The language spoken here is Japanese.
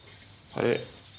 あれ？